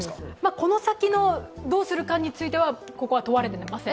この先のどうするかについてはここは問われてません。